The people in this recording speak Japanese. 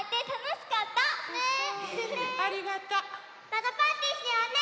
またパーティーしようね！